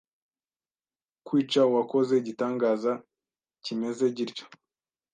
kwica uwakoze igitangaza kimeze gityo